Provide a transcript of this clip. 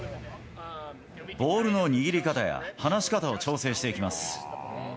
ボールの握り方や離し方を調整していきます。